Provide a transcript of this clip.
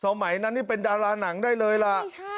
สมัยนั้นนี่เป็นดาราหนังได้เลยล่ะ